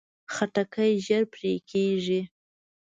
خټکی ژر پرې کېږي.